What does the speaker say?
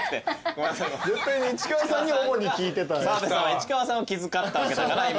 澤部さんは市川さんを気遣ったわけだから今。